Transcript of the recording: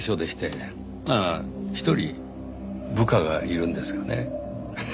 ああ１人部下がいるんですがね